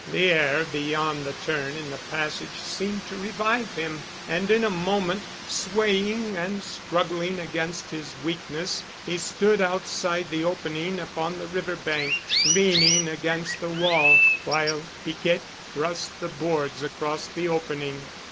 The air beyond the turn in the passage seemed to revive him and in a moment, swaying and struggling against his weakness, he stood outside the opening upon the river bank, leaning against the wall, while Piquette thrust the boards across the opening.